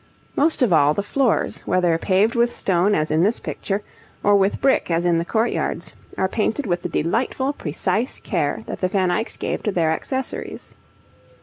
Most of all, the floors, whether paved with stone as in this picture, or with brick as in the courtyards, are painted with the delightful precise care that the Van Eycks gave to their accessories.